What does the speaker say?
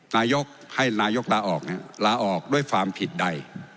นายกให้นายกลาออกลาออกด้วยความผิดใด